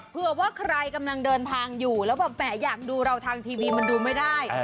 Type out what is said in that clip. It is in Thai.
เผื่อว่าใครกำลังเดินทางอยู่แล้วแบบแหมอยากดูเราทางทีวีมันดูไม่ได้